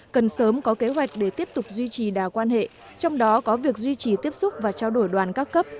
cần sớm có kế hoạch để tiếp tục duy trì đà quan hệ trong đó có việc duy trì tiếp xúc và trao đổi đoàn các cấp